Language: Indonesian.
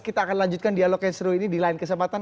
kita akan lanjutkan dialog yang seru ini di lain kesempatan